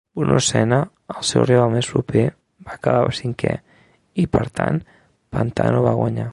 Bruno Senna, el seu rival més proper, va acabar cinquè i, per tant, Pantano va guanyar.